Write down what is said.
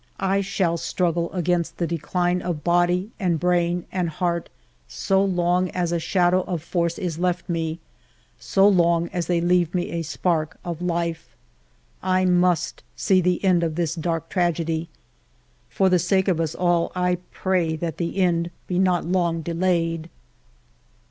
I shall struggle against the decline of body and brain and heart so long as a shadow of force is left me, so long as they leave me a spark of life. I must see the end of this dark tragedy. For the sake of all of us, I pray that the end be not long delayed.